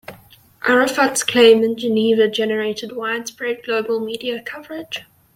Arafat's claims in Geneva generated widespread global media coverage.